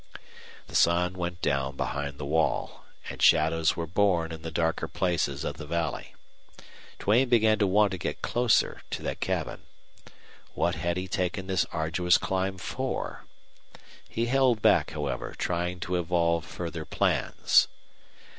The sun went down behind the wall, and shadows were born in the darker places of the valley. Duane began to want to get closer to that cabin. What had he taken this arduous climb for? He held back, however, trying to evolve further plans.